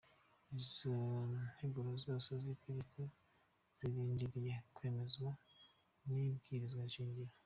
Izo nteguro zose z'itegeko zirindiriye kwemezwa n'ibwirizwa shingiro.